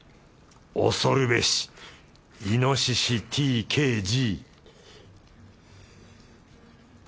恐るべしイノシシ ＴＫＧ